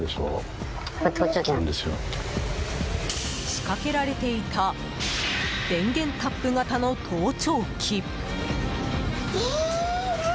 仕掛けられていた電源タップ形の盗聴器。